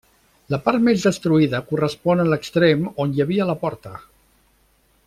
La part més destruïda correspon a l'extrem on hi havia la porta.